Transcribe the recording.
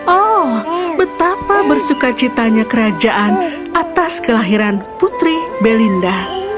oh betapa bersuka citanya kerajaan atas kelahiran putri belinda